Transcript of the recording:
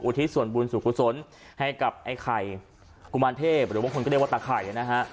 ทิศส่วนบุญสุขุศลให้กับไอ้ไข่กุมารเทพหรือบางคนก็เรียกว่าตาไข่นะฮะ